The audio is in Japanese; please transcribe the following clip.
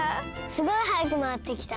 すごい早くまわってきた。